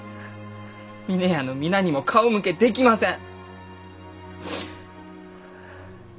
峰屋の皆にも顔向けできません！